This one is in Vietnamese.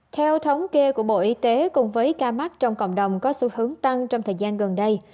theo thống kê của bộ y tế cùng với ca mắc trong cộng đồng có xu hướng tăng trong thời gian gần đây